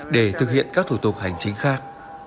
để thực hiện các thủ tục hành chính khác